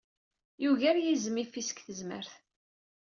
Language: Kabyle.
Yugar yizem ifis deg tezmert.